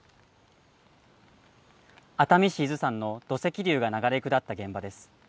熱海市伊豆山の土石流が流れ下った現場です。